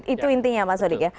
itu intinya mas odik ya